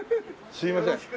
すいません。